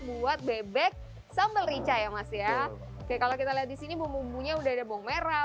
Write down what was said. buat bebek sambal rica ya mas ya oke kalau kita lihat di sini bumbu bumbunya udah ada bawang merah